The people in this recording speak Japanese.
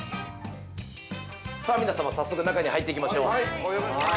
◆さあ皆様、早速中に入っていきましょう。